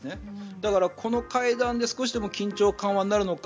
だから、この会談で少しでも緊張緩和になるのか。